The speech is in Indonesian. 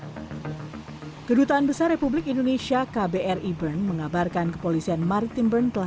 hai kedutaan besar republik indonesia kbri bern mengabarkan kepolisian maritim bern telah